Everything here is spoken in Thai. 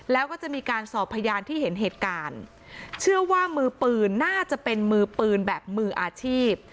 แล้วก็จะมีการสอบพยานที่เห็นเหตุการณ์เชื่อว่ามือปืนน่าจะเป็นมือปืนแบบมืออาชีพ